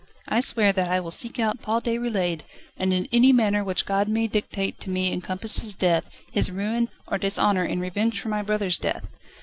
"I swear that I will seek out Paul Déroulède, and in any manner which God may dictate to me encompass his death, his ruin, or dishonour in revenge for my brother's death.